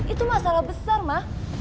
itu masalah besar ma